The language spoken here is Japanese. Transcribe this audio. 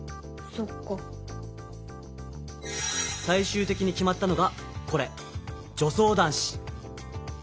さい終的に決まったのがこれ「女装男子」。